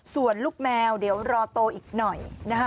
ส่วนลูกแมวเดี๋ยวรอโตอีกหน่อยนะคะ